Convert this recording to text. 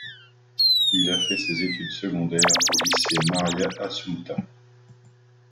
Il a fait ses études secondaires au Lycée Maria Assumpta.